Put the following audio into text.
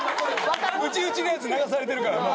うちうちのやつ流されてるからもう。